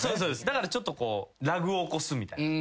だからちょっとラグを起こすみたいな。